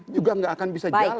juga nggak akan bisa jalan